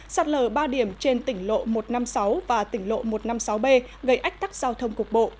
sạt lở ba điểm trên tỉnh lộ một trăm năm mươi sáu và tỉnh lộ một trăm năm mươi sáu b gây ách tắc giao thông cục bộ